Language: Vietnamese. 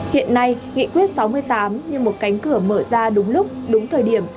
hiện nay nghị quyết sáu mươi tám như một cánh cửa mở ra đúng lúc đúng thời điểm